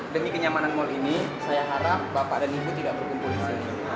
demi kenyamanan mal ini saya harap bapak dan ibu tidak berkumpul di sini